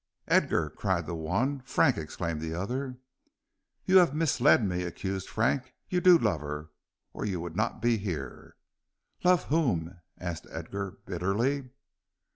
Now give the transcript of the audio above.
"Edgar!" cried the one. "Frank!" exclaimed the other. "You have misled me," accused Frank; "you do love her, or you would not be here." "Love whom?" asked Edgar, bitterly.